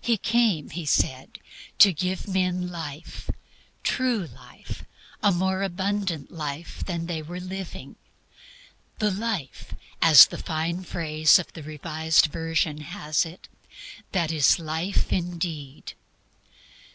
He came, He said, to give men life, true life, a more abundant life than they were living; "the life," as the fine phase in the Revised Version has it, "that is life indeed."